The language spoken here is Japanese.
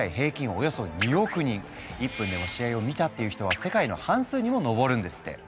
およそ２億人１分でも試合を見たっていう人は世界の半数にも上るんですって。